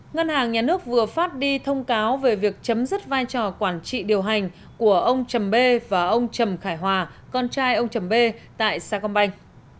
ngân hàng nhà nước vừa phát đi thông cáo về việc chấm dứt vai trò quản trị điều hành của ông trầm b và ông trầm khải hòa con trai ông trầm b tại sao công banh